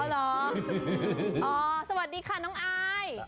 อ๋อหรอสวัสดีค่ะน้องอาย